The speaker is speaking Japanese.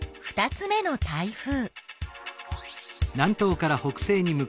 ３つ目の台風。